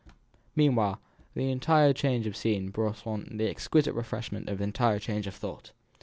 Meanwhile, the entire change of scene brought on the exquisite refreshment of entire change of thought.